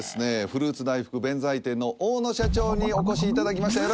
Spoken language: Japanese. フルーツ大福弁才天の大野社長にお越しいただきました